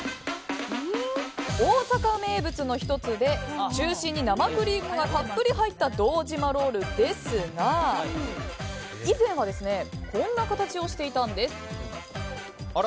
大阪名物の１つで中心に生クリームがたっぷり入った堂島ロールですが以前はこんな形をしていたんです。